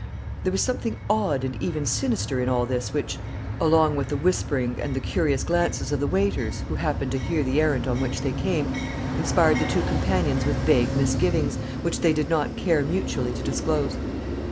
There was something odd and even sinister in all this, which, along with the whispering and the curious glances of the waiters, who happened to hear the errand on which they came, inspired the two companions with vague misgivings, which they did not care mutually to disclose.